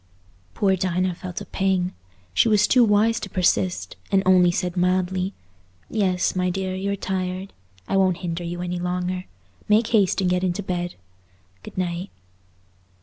Poor Dinah felt a pang. She was too wise to persist, and only said mildly, "Yes, my dear, you're tired; I won't hinder you any longer. Make haste and get into bed. Good night."